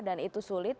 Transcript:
dan itu sulit